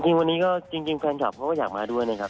จริงวันนี้ก็จริงแฟนคลับเขาก็อยากมาด้วยนะครับ